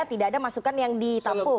tidak ada masukan yang ditampung